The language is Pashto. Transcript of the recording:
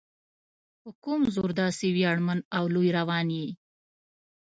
په کوم زور داسې ویاړمن او لوی روان یې؟